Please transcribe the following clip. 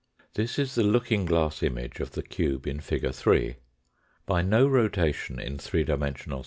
This is the looking glass image of the cube in fig. 3. By no rotation in three dimensional